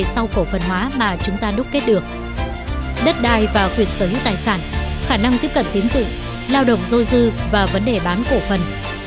xin chào quý vị và các bạn